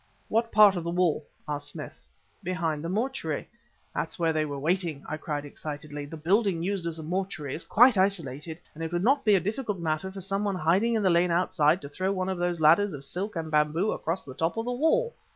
"What part of the wall?" asked Smith. "Behind the mortuary." "That's where they were waiting!" I cried excitedly. "The building used as a mortuary is quite isolated, and it would not be a difficult matter for some one hiding in the lane outside to throw one of those ladders of silk and bamboo across the top of the wall."